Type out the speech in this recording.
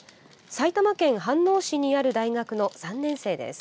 埼玉県飯能市にある大学の３年生です。